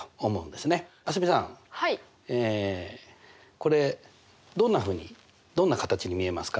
これどんなふうにどんな形に見えますか？